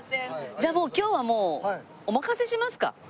じゃあ今日はもうお任せしますか。